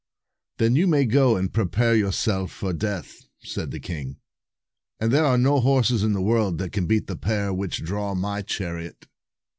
"Then you may go and prepare yourself for death," said the king; "for there are no horses in the world that can beat the pair which draw my chariot."